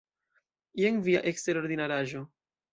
Jen via eksterordinaraĵo.